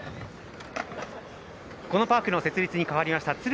このパークの設立に関わりました